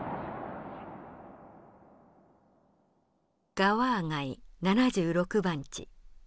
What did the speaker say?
ガワー街７６番地。